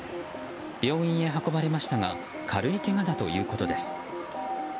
病院に運ばれましたが軽いけがだということです。